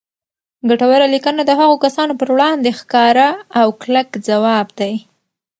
ګټوره لیکنه د هغو کسانو پر وړاندې ښکاره او کلک ځواب دی